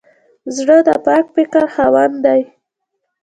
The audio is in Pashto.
زړه د پاک فکر خاوند دی.